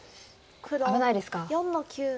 危ないですか。